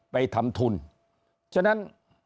ไปทำทุนฉะนั้น